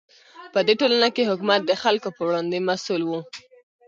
په دې ټولنه کې حکومت د خلکو په وړاندې مسوول و.